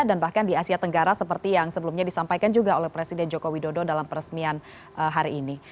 bahkan di asia tenggara seperti yang sebelumnya disampaikan juga oleh presiden joko widodo dalam peresmian hari ini